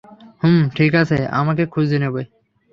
হুমম ঠিক আছে, আপনাকে খুঁজে নেব।